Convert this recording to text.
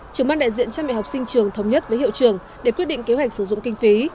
trưởng ban đại diện cha mẹ học sinh trường thống nhất với hiệu trường để quyết định kế hoạch sử dụng kinh phí